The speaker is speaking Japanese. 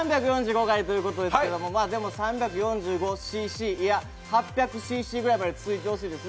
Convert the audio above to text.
３４５回ということですけれども、でも３４５ｃｃ、いや、８００ｃｃぐらいまで続いてほしいです。